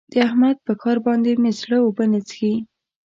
د احمد په کار باندې مې زړه اوبه نه څښي.